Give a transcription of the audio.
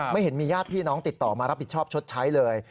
เห็นมีญาติพี่น้องติดต่อมารับผิดชอบชดใช้เลย